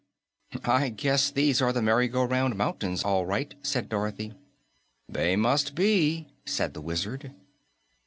"I guess these are the Merry Go Round Mountains, all right," said Dorothy. "They must be," said the Wizard.